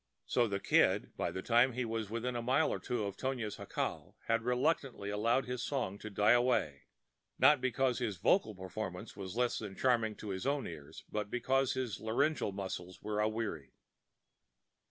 So the Kid, by the time he was within a mile or two of Tonia's jacal, had reluctantly allowed his song to die away—not because his vocal performance had become less charming to his own ears, but because his laryngeal muscles were aweary.